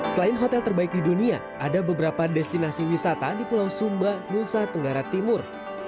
selain hotel terbaik di dunia ada beberapa destinasi wisata di pulau sumba nusa tenggara timur